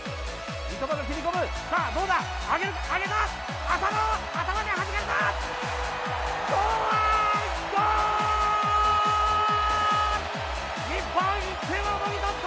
三笘が蹴り込む、どうだ、上げるか、上げた、浅野、頭ではじかれた。